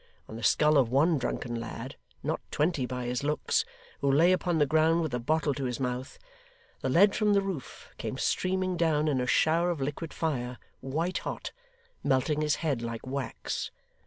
On the skull of one drunken lad not twenty, by his looks who lay upon the ground with a bottle to his mouth, the lead from the roof came streaming down in a shower of liquid fire, white hot; melting his head like wax.